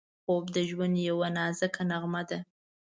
خوب د ژوند یوه نازکه نغمه ده